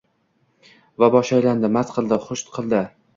Va boshi aylandi – mast qildi xush hid